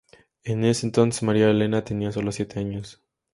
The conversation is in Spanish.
En ese entonces María Elena tenía sólo siete años.